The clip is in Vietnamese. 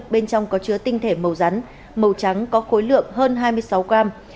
bên trong có chứa tinh thể màu rắn màu trắng có khối lượng hơn hai mươi sáu gram